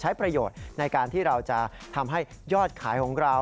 ใช้ประโยชน์ในการที่เราจะทำให้ยอดขายของเรา